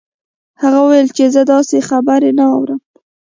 هغه وویل چې زه داسې خبرې نه اورم